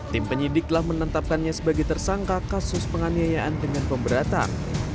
tim penyidik telah menetapkannya sebagai tersangka kasus penganiayaan dengan pemberatan